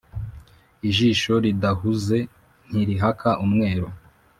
Ijisho ridahuze ntirihaka umweru